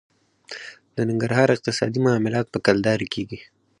د ننګرهار اقتصادي معاملات په کلدارې کېږي.